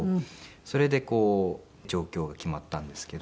それでこう上京が決まったんですけど。